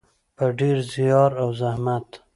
په ډیر زیار او زحمت.